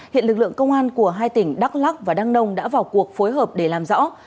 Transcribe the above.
hiện lực lượng công an của hai tỉnh đắk lắc và đăng nông đã vào cuộc phối hợp để làm rõ